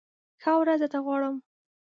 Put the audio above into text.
ښه ورځ درته غواړم !